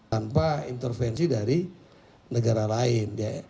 tanpa intervensi dari negara lain